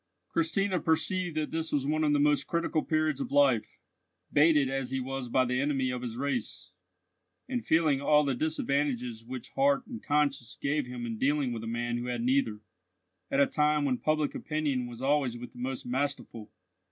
Christina perceived that this was one of his most critical periods of life, baited as he was by the enemy of his race, and feeling all the disadvantages which heart and conscience gave him in dealing with a man who had neither, at a time when public opinion was always with the most masterful.